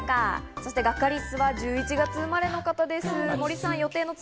そしてガッカりすは１１月生まれの方です、森さん。